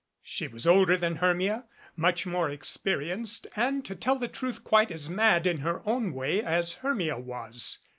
She was older than Hermia, much more experienced and to tell the truth quite as mad in her own way as Hermia was.